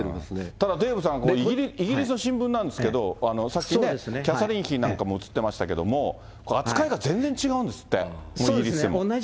ただデーブさん、イギリスの新聞なんですけど、さっきね、キャサリン妃なんかも映ってましたけれども、扱いが全然違うんですって、イギリスでも。